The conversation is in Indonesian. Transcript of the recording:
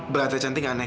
beratnya cantik anak naik